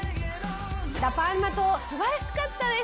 ラ・パルマ島すばらしかったです。